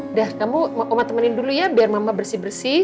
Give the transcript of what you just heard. udah kamu mau matemenin dulu ya biar mama bersih bersih